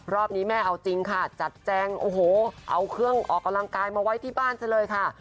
รอบนี้แม่เอาจริงค่ะจัดแจงโอ้โหเอาเครื่องออกกำลังกายมาไว้ที่บ้านซะเลยค่ะ